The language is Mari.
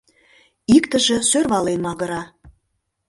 Иктыже сӧрвален магыра